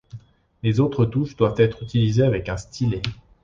Les autres touches doivent être utilisées avec un stylet.